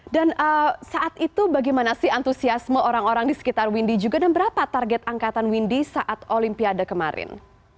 dan saat itu bagaimana sih antusiasme orang orang di sekitar windy juga dan berapa target angkatan windy saat olimpiade kemarin